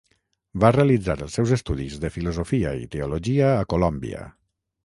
Va realitzar els seus estudis de filosofia i teologia a Colòmbia.